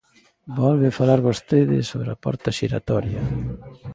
Volve falar vostede sobre a porta xiratoria.